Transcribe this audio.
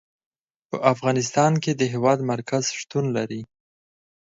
په افغانستان کې د هېواد مرکز شتون لري.